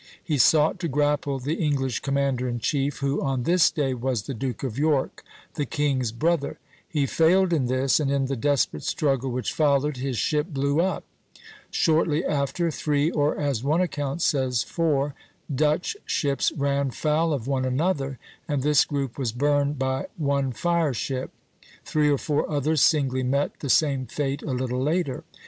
He sought to grapple the English commander in chief, who on this day was the Duke of York, the king's brother. He failed in this, and in the desperate struggle which followed, his ship blew up. Shortly after, three, or as one account says four, Dutch ships ran foul of one another, and this group was burned by one fire ship; three or four others singly met the same fate a little later.